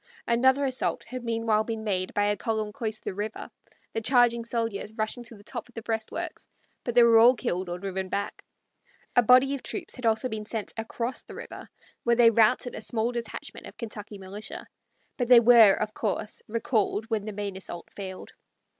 Another assault had meanwhile been made by a column close to the river, the charging soldiers rushing to the top of the breastworks; but they were all killed or driven back. A body of troops had also been sent across the river, where they routed a small detachment of Kentucky militia; but they were, of course, recalled when the main assault failed.